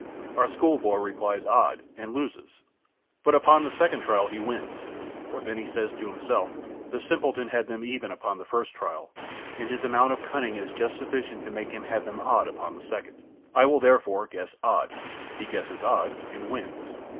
Our school boy replies, 'Odd,' and loses; but upon the second trial he wins, for he then says to himself: 'The simpleton had them even upon the first trial, and his amount of cunning is just sufficient to make him have them odd upon the second; I will therefore guess odd'; he guesses odd, and wins.